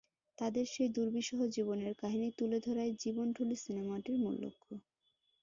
তাদের সেই দুর্বিষহ জীবনের কাহিনি তুলে ধরাই জীবনঢুলী সিনেমাটির মূল লক্ষ্য।